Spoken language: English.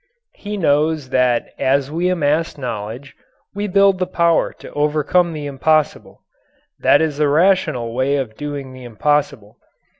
He knows that as we amass knowledge we build the power to overcome the impossible. That is the rational way of doing the "impossible."